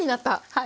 はい。